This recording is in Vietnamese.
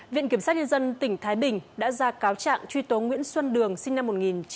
viện kiểm soát nhân dân tỉnh thái bình đã ra cáo trạng truy tố nguyễn xuân đường sinh năm một nghìn chín trăm bảy mươi một